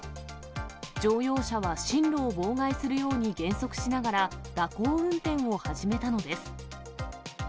乗用車は進路を妨害するように減速しながら、蛇行運転を始めたのです。